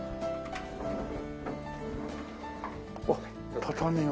あっ畳が。